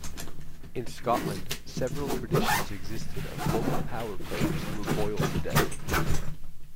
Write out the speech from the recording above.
In Scotland, several traditions existed of local power players who were boiled to death.